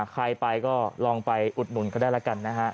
ใครไปก็ลองไปอุดหนุนก็ได้แล้วกันนะฮะ